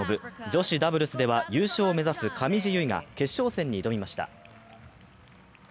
女子ダブルスでは優勝を目指す上地結衣が決勝戦に挑みました。